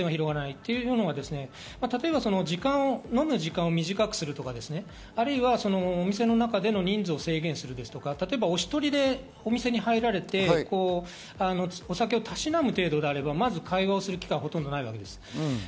というのは、飲む時間を短くするとか、お店の中での人数を制限するとか、１人でお店に入ってお酒をたしなむ程度であれば、会話をする機会はほとんどないわけです。